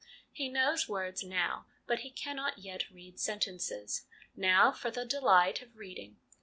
He knows words now, but he cannot yet read sentences. Now for the delight of reading.